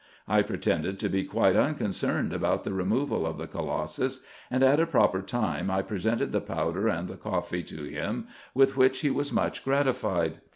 I pretended to be quite unconcerned about the removal of the colossus ; and at a proper time I presented the powder and the coffee to him, with winch he was much gratified.